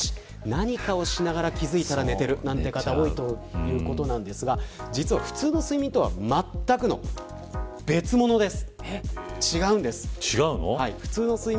何かをしながら気付いたら寝ているという方多いということですが実は普通の睡眠とはまったくの別物です。